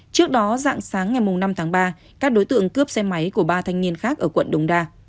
trước đó dạng sáng ngày năm tháng ba các đối tượng cướp xe máy của ba thanh niên khác ở quận đống đa